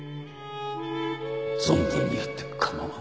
存分にやって構わん。